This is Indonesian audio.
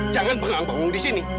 jangan bengang bengung disini